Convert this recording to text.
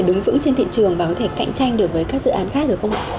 đứng vững trên thị trường và có thể cạnh tranh được với các dự án khác được không ạ